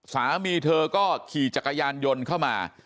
สามีเธอก็ขี่จักรยานยนต์เข้ามา